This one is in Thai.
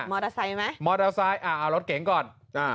มอเตอร์ไซค์ไหมมอเตอร์ไซค์อ่าเอารถเก๋งก่อนอ่า